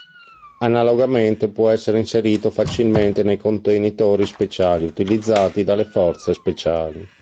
Analogamente, può essere inserito facilmente nei contenitori speciali utilizzati dalle forze speciali.